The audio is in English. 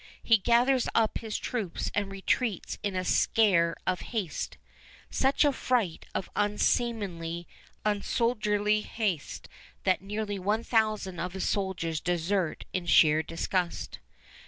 He gathers up his troops and retreats in a scare of haste, such a fright of unseemly, unsoldierly haste that nearly one thousand of his soldiers desert in sheer disgust.